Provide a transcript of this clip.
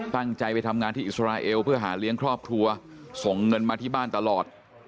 ตั้งใจไปทำงานที่อิสราเอลเพื่อหาเลี้ยงครอบครัวส่งเงินมาที่บ้านตลอด